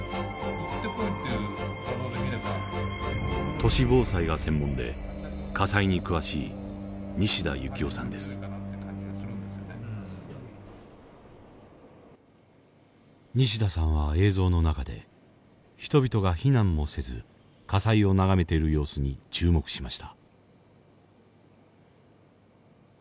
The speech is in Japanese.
都市防災が専門で火災に詳しい西田さんは映像の中で人々が避難もせず火災を眺めている様子に注目しました。